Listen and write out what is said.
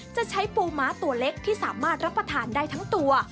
จะใช้ปูม้าตัวเล็กที่สามารถรับประทานได้ทั้งตัว